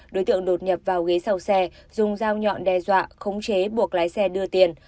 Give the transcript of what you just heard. đối tượng đột nhập vào ghế sau xe dùng dao nhọn đe dọa khống chế buộc lái xe đưa tiền